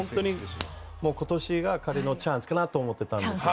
今年が彼のチャンスかなと思っていた。